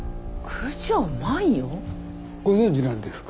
ご存じなんですか？